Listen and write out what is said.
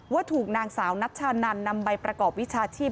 ว่าถูกนางสาวนัชชานันนำใบประกอบวิชาชีพ